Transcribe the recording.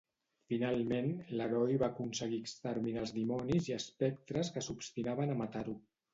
Finalment, l'heroi va aconseguir exterminar als dimonis i espectres que s'obstinaven a matar-ho.